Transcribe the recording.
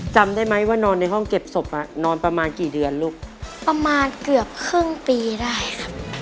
จำได้ไหมว่านอนในห้องเก็บศพอ่ะนอนประมาณกี่เดือนลูกประมาณเกือบครึ่งปีได้ครับ